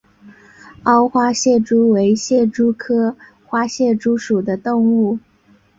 凹花蟹蛛为蟹蛛科花蟹蛛属的动物。